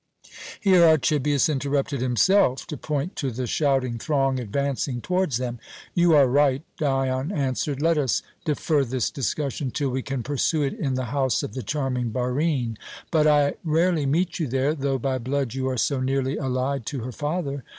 Here Archibius interrupted himself to point to the shouting throng advancing towards them. "You are right," Dion answered. "Let us defer this discussion till we can pursue it in the house of the charming Barine. But I rarely meet you there, though by blood you are so nearly allied to her father.